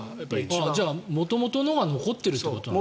じゃあ、元々のが残っているということなんだ。